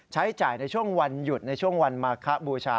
ใช้จ่ายในช่วงวันหยุดในช่วงวันมาคบูชา